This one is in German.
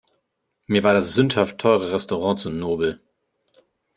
Mir war das sündhaft teure Restaurant zu nobel.